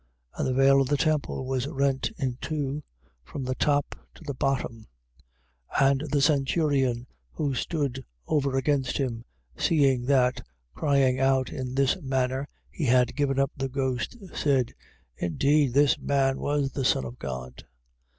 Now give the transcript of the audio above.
15:38. And the veil of the temple was rent in two, from the top to the bottom. 15:39. And the centurion who stood over against him, seeing that crying out in this manner he had given up the ghost. said: Indeed this man was the son of God.